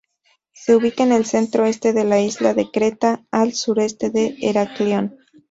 Se ubica en el centro-este de la isla de Creta, al sureste de Heraclión.